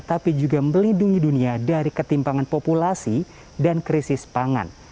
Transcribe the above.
tapi juga melindungi dunia dari ketimpangan populasi dan krisis pangan